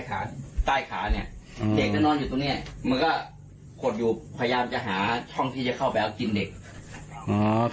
เด็กก็นอนอยู่ตรงเนี่ยมันก็ขวดอยู่พยายามจะหาช่องที่จะเข้าไปเอากินเด็ก